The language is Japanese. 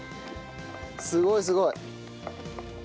すごいすごい。